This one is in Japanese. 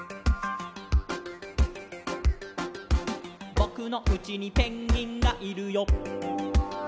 「ぼくのうちにペンギンがいるよ」